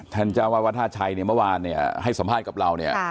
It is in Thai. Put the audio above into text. เจ้าวาดวัดท่าชัยเนี่ยเมื่อวานเนี่ยให้สัมภาษณ์กับเราเนี่ย